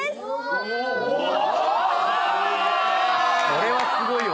これはすごいわ。